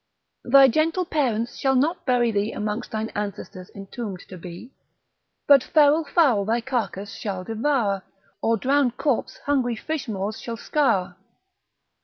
Thy gentle parents shall not bury thee, Amongst thine ancestors entomb'd to be, But feral fowl thy carcass shall devour, Or drowned corps hungry fish maws shall scour.